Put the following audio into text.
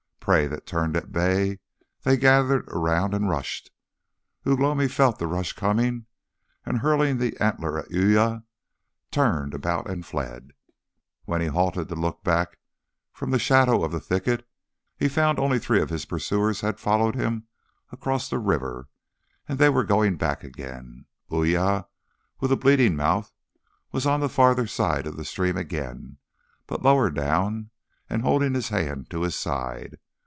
Prey that turned at bay they gathered around and rushed. Ugh lomi felt the rush coming, and hurling the antler at Uya, turned about and fled. When he halted to look back from the shadow of the thicket, he found only three of his pursuers had followed him across the river, and they were going back again. Uya, with a bleeding mouth, was on the farther side of the stream again, but lower down, and holding his hand to his side.